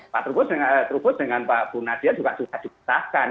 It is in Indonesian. pak trubus dengan pak bu nadia juga susah dipisahkan